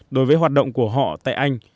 đối với hoạt động của họ tại anh